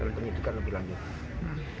kami disini sedang menunggu dari laporan kode